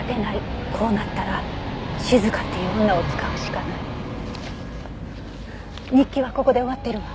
「こうなったら静香っていう女を使うしかない」日記はここで終わってるわ。